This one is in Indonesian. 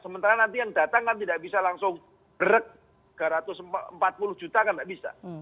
sementara nanti yang datang kan tidak bisa langsung brek tiga ratus empat puluh juta kan tidak bisa